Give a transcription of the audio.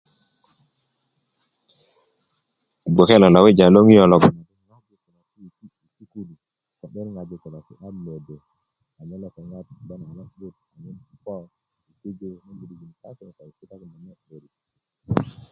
gboke lo lawija loŋoyo lo